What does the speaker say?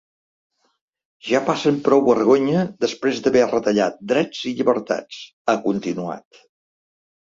Ja passen prou vergonya després d’haver retallat drets i llibertats, ha continuat.